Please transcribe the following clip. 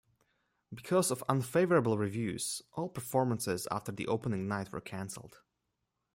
Because of unfavorable reviews, all performances after the opening night were cancelled.